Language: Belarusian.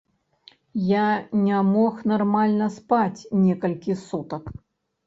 Я не мог нармальна спаць некалькі сутак.